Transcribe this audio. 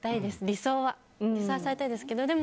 理想はされたいですけど。